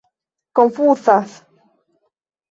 konfuzas